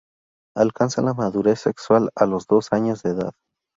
Alcanza la madurez sexual a los dos años de edad.